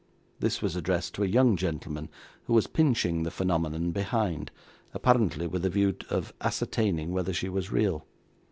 This was addressed to a young gentleman who was pinching the phenomenon behind, apparently with a view of ascertaining whether she was real.